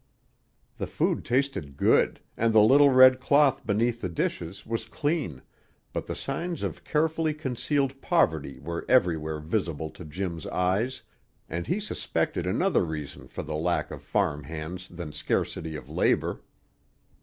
The food tasted good, and the little red cloth beneath the dishes was clean, but the signs of carefully concealed poverty were everywhere visible to Jim's eyes, and he suspected another reason for the lack of farm hands than scarcity of labor.